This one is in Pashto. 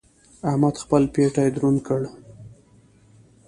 احمد خپل پېټی دروند کړ.